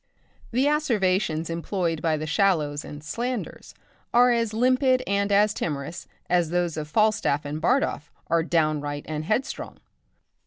The asseverations employed by the Shallows and Slanders are as limpid and as timorous as those of Falstaff and Bardolph are downright and headstrong.